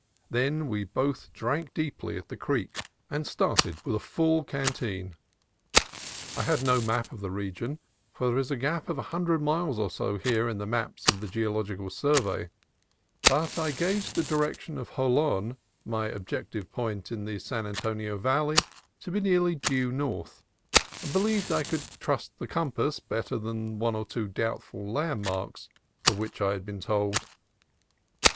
Then we both drank deeply at the creek, 178 CALIFORNIA COAST TRAILS and started with a full canteen. I had no map of the region, for there is a gap of a hundred miles or so here in the maps of the Geological Survey; but I gauged the direction of Jolon, my objective point in the San Antonio Valley, to be nearly due north, and believed I could trust the compass better than the one or two doubtful landmarks of which I had been told.